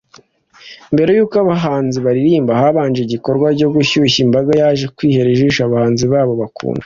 Mbere y’uko abahanzi baririmba habanje igikorwa cyo gushyushya imbaga yaje kwihera ijisho abahanzi babo bakunda